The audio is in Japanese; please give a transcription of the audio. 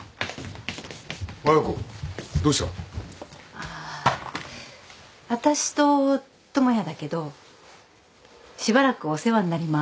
あっわたしと智也だけどしばらくお世話になります。